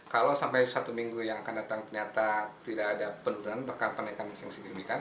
kalau sampai suatu minggu yang akan datang ternyata tidak ada penurunan bahkan penaikan yang bisa dikirimkan